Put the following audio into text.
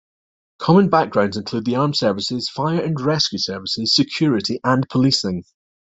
Common backgrounds include the armed services, fire and rescue services, security and policing.